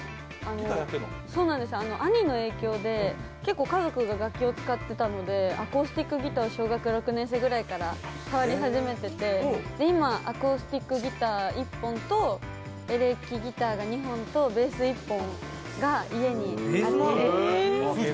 兄の影響で結構、家族が楽器を使ってたのでアコースティックギターを小学６年生ぐらいから触り始めてて、今、アコースティックギター１本とエレキギターが２本とベース１本が家にあって。